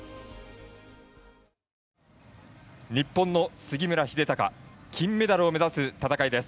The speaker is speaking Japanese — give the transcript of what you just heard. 日本の杉村英孝金メダルを目指す戦いです。